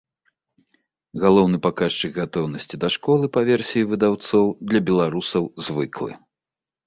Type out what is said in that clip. Галоўны паказчык гатоўнасці да школы, па версіі выдаўцоў, для беларусаў звыклы.